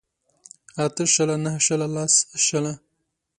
اته شله نهه شله لس شله